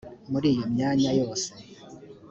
muri iyo myanya yose